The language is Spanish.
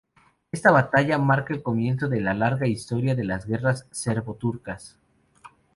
Esta batalla marca el comienzo de la larga historia de las guerras serbo-turcas.